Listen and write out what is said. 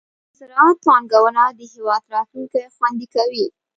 د زراعت پانګونه د هېواد راتلونکې خوندي کوي.